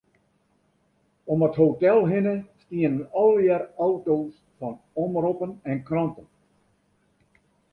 Om it hotel hinne stiene allegearre auto's fan omroppen en kranten.